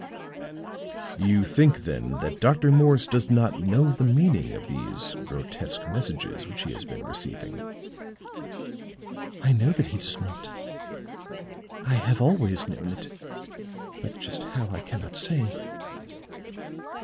"You think, then, that Dr. Morse does not know the meaning of these grotesque messages which he has been receiving?" "I know that he does not. I have always known it; but just how, I cannot say.